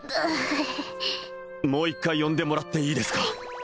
もう一回呼んでもらっていいですか？